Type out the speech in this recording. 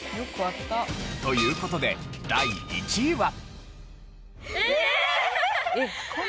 という事で第１位は。